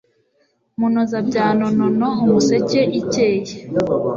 munozabyano nono umuseke ikeye